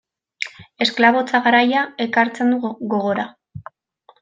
Esklabotza garaia ekartzen du gogora.